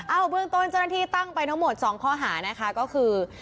เบื้องต้นเจ้าหน้าที่ตั้งไปทั้งหมด๒ข้อหานะคะก็คือ